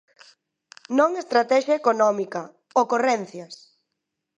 Non estratexia económica, ¡ocorrencias!